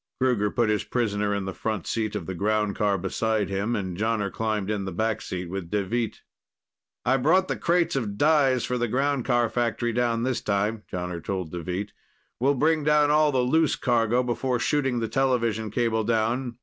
Kruger put his prisoner in the front seat of the groundcar beside him, and Jonner climbed in the back seat with Deveet. "I brought the crates of dies for the groundcar factory down this time," Jonner told Deveet. "We'll bring down all the loose cargo before shooting the television cable down.